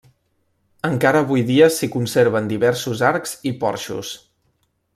Encara avui dia s'hi conserven diversos arcs i porxos.